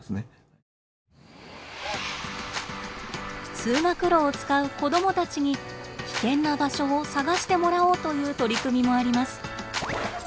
通学路を使う子どもたちに危険な場所を探してもらおうという取り組みもあります。